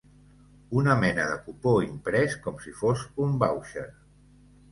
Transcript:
Una mena de cupó imprès com si fos un voucher.